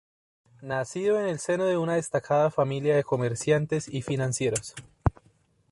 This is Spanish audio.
Nacido en el seno de una destacada familia de comerciantes y financieros.